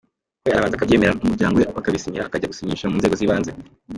We arabanza akabyemera n’umuryango we bakabisinyira, akajya gusinyisha mu nzego z’ibanze.